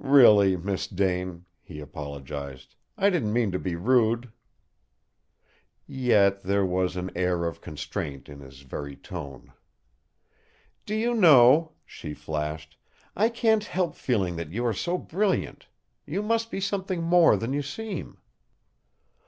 "Really, Miss Dane," he apologized, "I didn't mean to be rude." Yet there was an air of constraint in his very tone. "Do you know," she flashed, "I can't help feeling that you are so brilliant you must be something more than you seem."